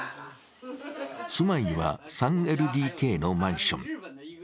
住まいは３ＬＤＫのマンション。